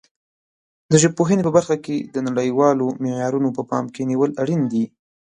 د ژبپوهنې په برخه کې د نړیوالو معیارونو په پام کې نیول اړین دي.